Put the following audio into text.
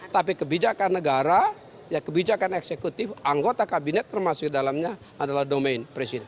tapi kebijakan negara kebijakan eksekutif anggota kabinet termasuk dalamnya adalah domain presiden